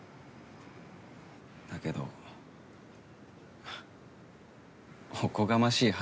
だけどおこがましい話でした。